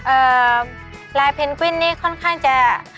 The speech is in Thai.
ลายเพนกวินนี่ค่อนข้างจะ